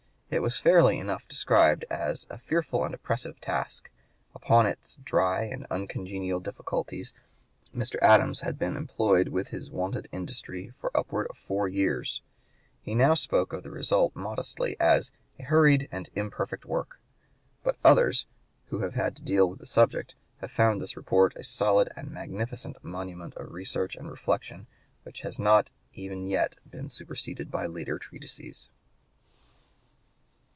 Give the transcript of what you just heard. It was fairly enough described as a "fearful and oppressive task." Upon its dry and uncongenial difficulties Mr. Adams had been employed with his wonted industry for upwards of four years; he now spoke of the result modestly as "a hurried and imperfect work." But others, who have had to deal with the subject, have found this report a solid and magnificent monument of research and reflection, which has not even yet been superseded by later treatises.